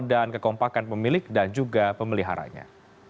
dan kekompakan pemilik dan juga pemeliharanya